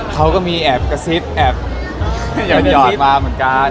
เขาก็มีแอบกระซิบแอบหยอดมาเหมือนกัน